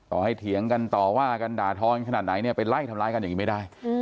ให้เถียงกันต่อว่ากันด่าท้อนขนาดไหนเนี่ยไปไล่ทำร้ายกันอย่างนี้ไม่ได้